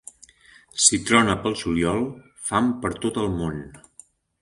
Si trona pel juliol, fam per tot el món.